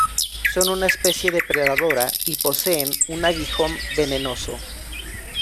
Son una especie depredadora, y poseen un aguijón venenoso.